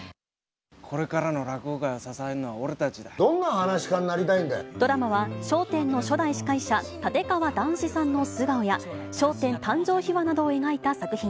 これからの落語界を支えんのどんなはなし家になりたいんドラマは笑点の初代司会者、立川談志さんの素顔や、笑点誕生秘話などを描いた作品。